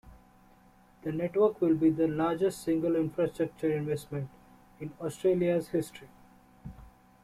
The network will be the largest single infrastructure investment in Australia's history.